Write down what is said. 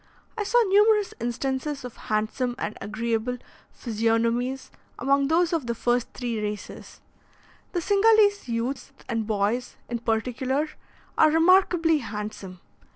I saw numerous instances of handsome and agreeable physiognomies among those of the first three races; the Cingalese youths and boys, in particular, are remarkably handsome.